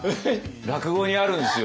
落語にあるんですよ。